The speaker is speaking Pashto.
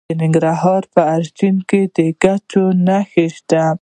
د ننګرهار په اچین کې د ګچ نښې شته.